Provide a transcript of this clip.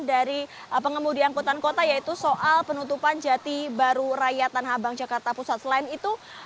dari pengemudi angkutan kota yaitu soal penutupan jati baru raya tanah abang jakarta pusat selain itu